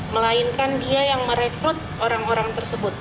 melainkan dia yang merekrut orang orang tersebut